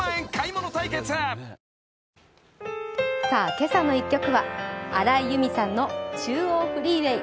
「けさの１曲」は荒井由実さんの「中央フリーウェイ」。